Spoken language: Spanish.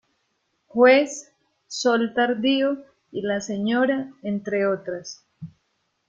Juez", "Sol tardío" y "La señora", entre otras.